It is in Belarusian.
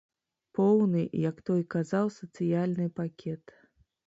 Поўны, як той казаў, сацыяльны пакет.